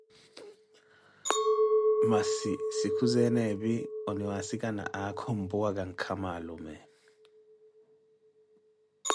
Massi sikuzeene epi, aniwaasikana aakha ompuwaka nkama alume.